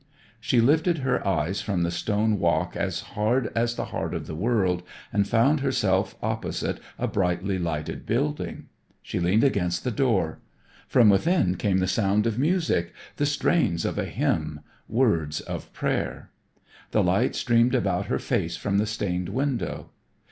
She lifted her eyes from the stone walk as hard as the heart of the world, and found herself opposite a brightly lighted building. She leaned against the door. From within came the sound of music, the strains of a hymn, words of prayer. The light streamed about her face from the stained window.